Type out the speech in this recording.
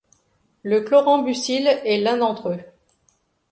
Le chlorambucil est l'un d'entre eux.